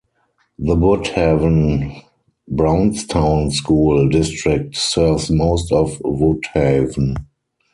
The Woodhaven-Brownstown School District serves most of Woodhaven.